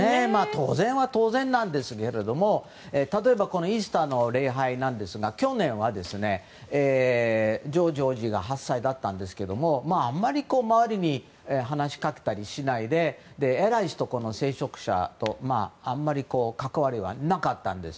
当然は当然なんですけれども例えばイースターの礼拝なんですが去年はジョージ王子が８歳だったんですけどあんまり周りに話しかけたりしないで偉い人、聖職者とあまり関わりはなかったんです。